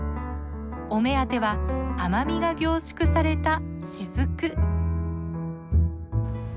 お目当ては甘みが凝縮された滴。